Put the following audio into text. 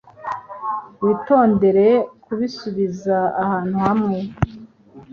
Witondere kubisubiza ahantu hamwe.